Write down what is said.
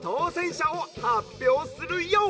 しゃをはっぴょうするＹＯ！」。